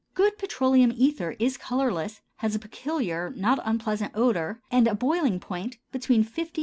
Good petroleum ether is colorless, has a peculiar, not unpleasant odor and a boiling point between 50 and 55° C.